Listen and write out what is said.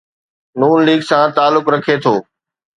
نون ليگ سان تعلق رکي ٿو.